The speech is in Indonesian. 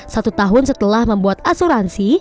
satu tahun setelah membuat asuransi